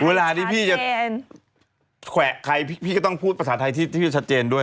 เวลาที่พี่จะแขวะใครพี่ก็ต้องพูดภาษาไทยที่พี่ชัดเจนด้วย